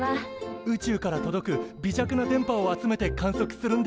宇宙から届く微弱な電波を集めて観測するんですよね？